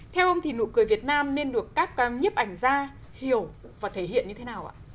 theo ông thì nụ cười việt nam nên được các nhiếp ảnh ra hiểu và thể hiện như thế nào ạ